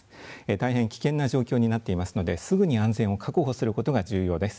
大変危険な状況になっていますのですぐに安全を確保することが重要です。